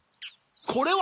これは。